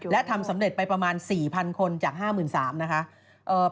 และทำสำเร็จไปประมาณ๔๐๐คนจาก๕๓๐๐นะคะ